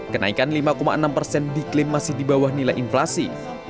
kenaikan lima enam persen diklaim masih di bawah nilai inflasi